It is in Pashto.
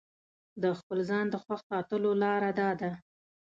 د خپل ځان د خوښ ساتلو لاره داده.